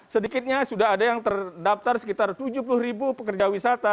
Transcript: sedikitnya sudah ada yang terdaftar sekitar tujuh puluh ribu pekerja wisata